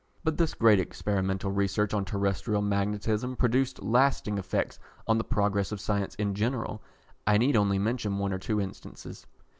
But this great experimental research on Terrestrial Magnetism produced lasting effects on the progress of science in general. I need only mention one or two instances.